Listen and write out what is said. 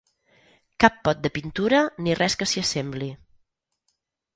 Cap pot de pintura ni res que s'hi assembli.